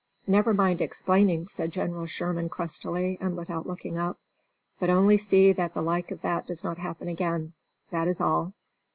"Never mind explaining," said General Sherman crustily, and without looking up, "but only see that the like of that does not happen again; that is all."